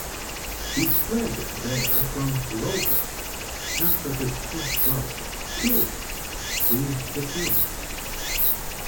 He fled there from Iolcus after his half-brother, Pelias, seized the throne.